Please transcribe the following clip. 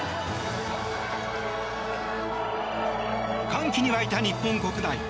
歓喜に沸いた日本国内。